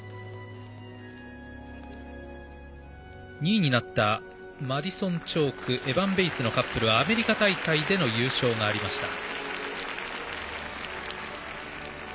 ２位になったマディソン・チョークエバン・ベイツのカップルはアメリカ大会での優勝がありました。